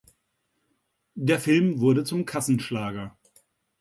Der Film wurde zum Kassenschlager.